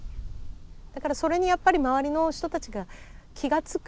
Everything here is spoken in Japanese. だからそれにやっぱり周りの人たちが気が付く。